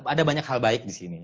ada banyak hal baik disini